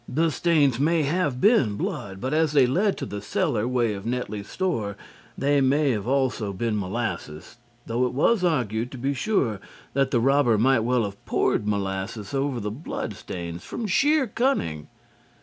The stains may have been blood, but as they led to the cellar way of Netley's store they may have also been molasses, though it was argued, to be sure, that the robber might well have poured molasses over the bloodstains from sheer cunning.